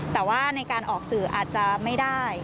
แต่ว่าในการออกสื่ออาจจะไม่ได้